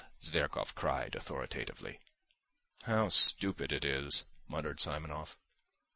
Zverkov cried, authoritatively. "How stupid it is!" muttered Simonov.